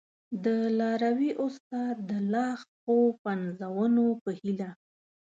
د لاروي استاد د لا ښو پنځونو په هیله!